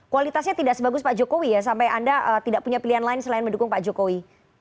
kualitasnya tidak sebagus pak jokowi ya sampai anda tidak punya pilihan lain selain mendukung pak jokowi